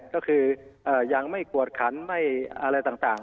ก็คือยังไม่กวดขันไม่อะไรต่าง